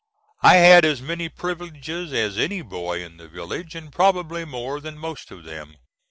I had as many privileges as any boy in the village, and probably more than most of them.